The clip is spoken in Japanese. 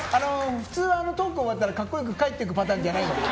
普通はトーク終わったら格好良く帰っていくパターンじゃないの？